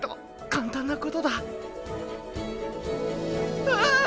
簡単なことだ。